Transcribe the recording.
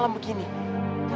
terima kasih papa